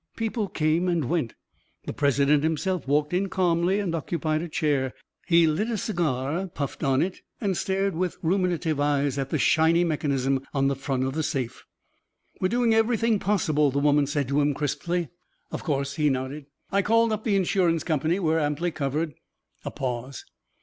People came and went. The president himself walked in calmly and occupied a chair. He lit a cigar, puffed on it, and stared with ruminative eyes at the shiny mechanism on the front of the safe. "We are doing everything possible," the woman said to him crisply. "Of course," he nodded. "I called up the insurance company. We're amply covered." A pause.